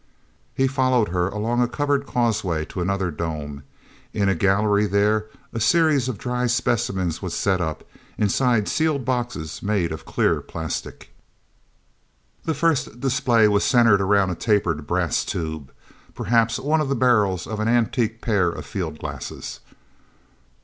He followed her along a covered causeway to another dome. In a gallery there, a series of dry specimens were set up, inside sealed boxes made of clear plastic. The first display was centered around a tapered brass tube perhaps one of the barrels of an antique pair of fieldglasses.